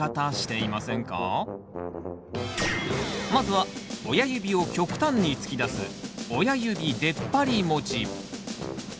まずは親指を極端に突き出す「親指でっぱり持ち」。